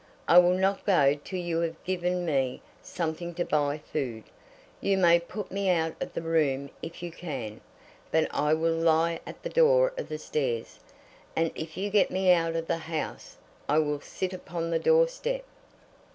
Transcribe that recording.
"I will not go till you have given me something to buy food. You may put me out of the room if you can, but I will lie at the door of the stairs. And if you get me out of the house, I will sit upon the door step."